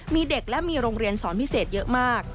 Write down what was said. มีเด็กและมีโรงเรียนสอนพิเศษเยอะมาก